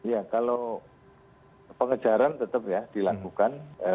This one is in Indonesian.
ya kalau pengejaran tetap ya dilakukan